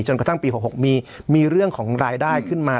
กระทั่งปี๖๖มีเรื่องของรายได้ขึ้นมา